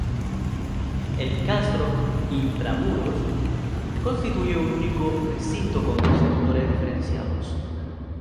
El castro "intramuros", constituye un único recinto con dos sectores diferenciados.